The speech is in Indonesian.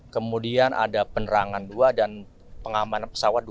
kemudian ada penerangan dua dan pengamanan pesawat